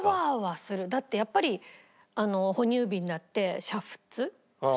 だってやっぱり哺乳瓶だって煮沸してものすごい。